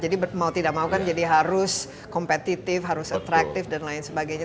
jadi mau tidak mau kan jadi harus kompetitif harus atraktif dan lain sebagainya